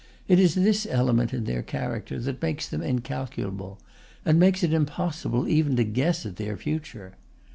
It is this element in their character that makes them incalculable, and makes it impossible even to guess at their future.